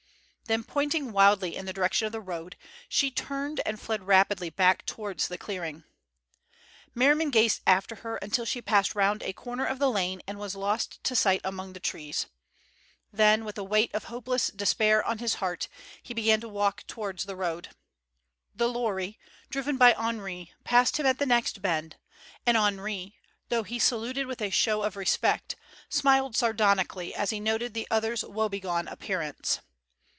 Then pointing wildly in the direction of the road, she turned and fled rapidly back towards the clearing. Merriman gazed after her until she passed round a corner of the lane and was lost to sight among the trees. Then, with a weight of hopeless despair on his heart, he began to walk towards the road. The lorry, driven by Henri, passed him at the next bend, and Henri, though he saluted with a show of respect, smiled sardonically as he noted the other's woebegone appearance.